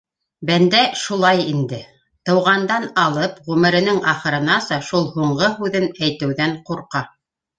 Бәндә шулай инде: тыуғандан алып ғүмеренең ахырынаса шул «һуңғы» һүҙен әйтеүҙән ҡурҡа.